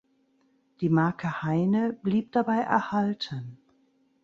Die Marke Heine blieb dabei erhalten.